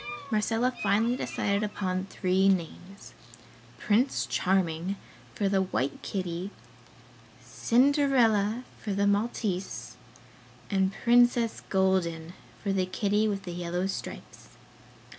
Marcella finally decided upon three names; Prince Charming for the white kitty, Cinderella for the Maltese and Princess Golden for the kitty with the yellow stripes.